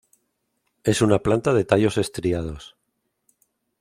Es una planta de tallos estriados.